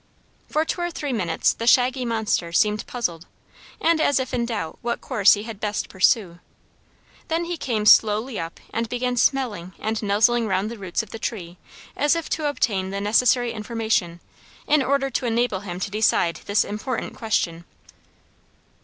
For two or three minutes the shaggy monster seemed puzzled and as if in doubt what course he had best pursue; then he came slowly up and began smelling and nuzzling round the roots of the tree as if to obtain the necessary information in order to enable him to decide this important question.